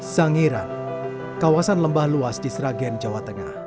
sangiran kawasan lembah luas di sragen jawa tengah